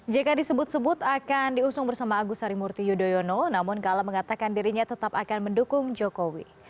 jk disebut sebut akan diusung bersama agus harimurti yudhoyono namun kala mengatakan dirinya tetap akan mendukung jokowi